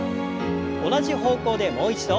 同じ方向でもう一度。